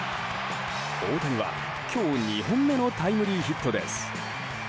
大谷は、今日２本目のタイムリーヒットです。